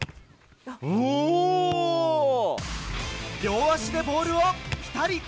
両足でボールをピタリ。